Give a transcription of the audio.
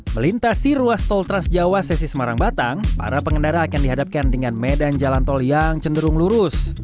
melintasi ruas tol transjawa sesi semarang batang para pengendara akan dihadapkan dengan medan jalan tol yang cenderung lurus